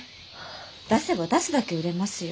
出せば出すだけ売れますよ。